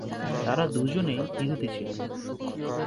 তারা দুজনেই ইহুদি ছিলেন।